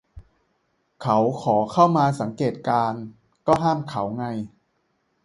เขาขอเข้ามาสังเกตการณ์ ก็ห้ามเขาไง